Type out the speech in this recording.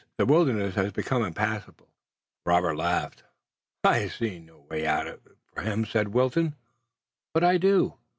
The wilderness has become impassable." Robert laughed. "I see no way out of it for him," said Wilton. "But I do."